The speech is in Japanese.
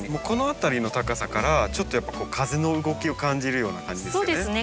この辺りの高さからちょっと風の動きを感じるような感じですよね。